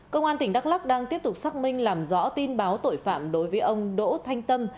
công an tỉnh đắk lắc đang tiếp tục xác minh làm rõ tin báo tội phạm đối với ông đỗ thanh tâm